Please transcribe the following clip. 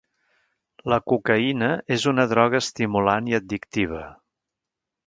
La cocaïna és una droga estimulant i addictiva.